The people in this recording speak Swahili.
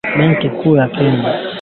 Mipasuko sehemu zilizoathiriwa